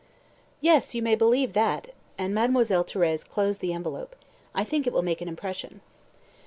"Yes, you may believe that," and Mademoiselle Thérèse closed the envelope. "I think it will make an impression."